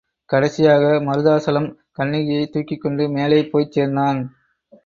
கடைசியாக, மருதாசலம் கண்ணகியைத் தூக்கிக்கொண்டு மேலே போய்ச் சேர்ந்தான்.